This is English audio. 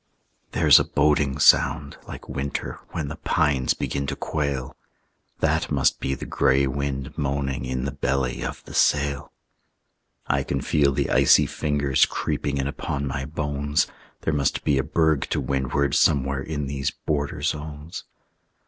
There's a boding sound, like winter When the pines begin to quail; That must be the gray wind moaning In the belly of the sail. I can feel the icy fingers Creeping in upon my bones; There must be a berg to windward Somewhere in these border zones.